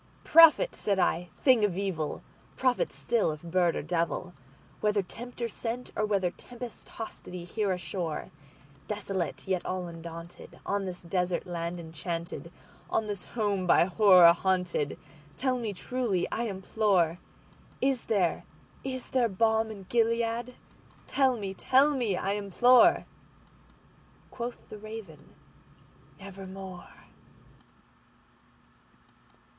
"Prophet!" said I, "thing of evil! prophet still, if bird or devil! Whether Tempter sent, or whether tempest tossed thee here ashore, Desolate yet all undaunted, on this desert land enchanted—On this home by Horror haunted—tell me truly, I implore:Is there—is there balm in Gilead?—tell me—tell me, I implore!"Quoth the Raven, "Nevermore."